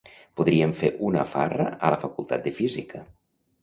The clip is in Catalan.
Podríem fer una farra a la Facultat de Física.